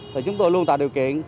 thì chúng tôi luôn tạo điều kiện